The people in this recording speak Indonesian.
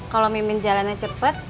kalo mimin jalannya cepet